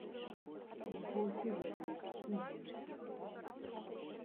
Яго ўсе ведаюць і ён усіх.